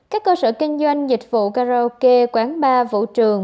các cơ sở kinh doanh dịch vụ karaoke quán bar vũ trường